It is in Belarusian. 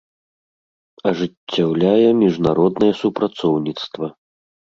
Ажыццяўляе мiжнароднае супрацоўнiцтва.